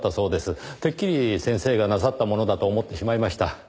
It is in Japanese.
てっきり先生がなさったものだと思ってしまいました。